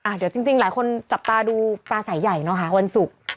เดี๋ยวจริงหลายคนจับตาดูปลาสายใหญ่เนอะค่ะวันศุกร์